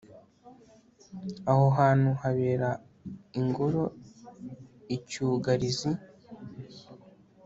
aho hantu habera ingoro icyugarizi